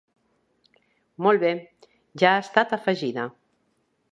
Molt bé, ja ha estat afegida.